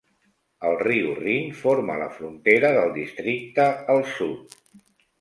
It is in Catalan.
El riu Rin forma la frontera del districte al sud.